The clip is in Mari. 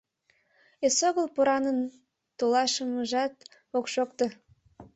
Эсогыл поранын толашымыжат ок шокто.